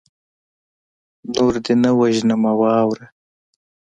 نور دې نه وژنمه واوره